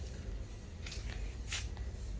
สวัสดีครับ